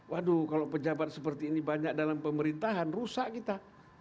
waduh kalau pejabat seperti ini banyak dalam pemerintahan rusak kita